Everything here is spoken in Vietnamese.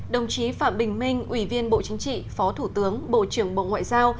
đồng chí phạm bình minh ủy viên bộ chính trị phó thủ tướng bộ trưởng bộ ngoại giao